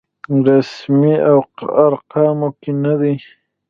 رسمي ارقامو کې نه دی.